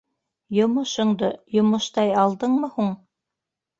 Йомошоңдо... йомоштай алдыңмы һуң?